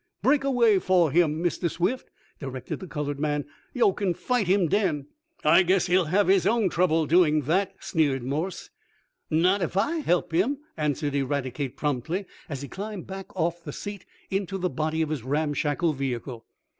"Break away four him, Mistah Swift!" directed the colored man. "Yo' can fight him, den!" "I guess he'll have his own troubles doing that," sneered Morse. "Not ef I help him," answered Eradicate promptly, as he climbed back off the seat, into the body of his ramshackle vehicle.